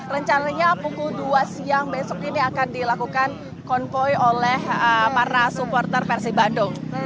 rencananya pukul dua siang besok ini akan dilakukan konvoy oleh para supporter persi bandung